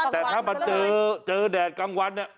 อ๋อตอนกลางวันแต่ถ้ามันเจอแดดกลางวันเนี่ย